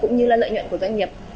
cũng như là lợi nhuận của doanh nghiệp